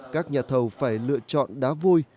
các nhà thầu phải lựa chọn đá vôi